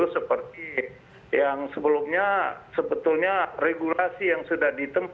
seperti yang sebelumnya sebetulnya regulasi yang sudah ditemukan